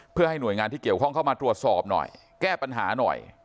เพื่อให้หน่วยงานที่เกี่ยวข้องเข้ามาตรวจสอบหน่อยแก้ปัญหาหน่อย